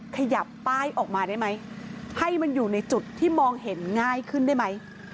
ขยับป้ายออกมาได้ไหมให้มันอยู่ในจุดที่มองเห็นง่ายขึ้นได้ไหม